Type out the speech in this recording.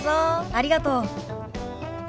ありがとう。